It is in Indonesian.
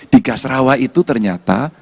di gas rawa itu ternyata